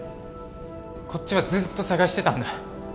こっちはずっと捜してたんだ。